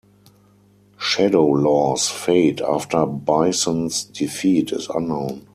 Shadowlaw's fate after Bison's defeat is unknown.